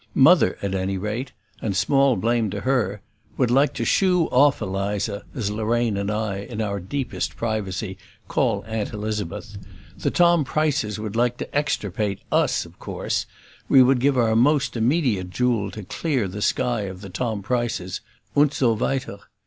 Mother, at any rate, and small blame to her, would like to "shoo" off Eliza, as Lorraine and I, in our deepest privacy, call Aunt Elizabeth; the Tom Prices would like to extirpate US, of course; we would give our most immediate jewel to clear the sky of the Tom Prices; und so weiter.